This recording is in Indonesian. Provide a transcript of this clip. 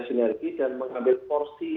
sinergi dan mengambil porsi